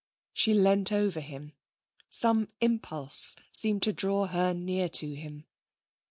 She leant over him. Some impulse seemed to draw her near to him.